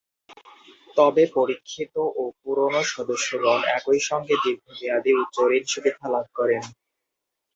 তবে পরীক্ষিত ও পুরোনো সদস্যগণ একই সঙ্গে দীর্ঘ মেয়াদি উচ্চ ঋণ সুবিধা লাভ করেন।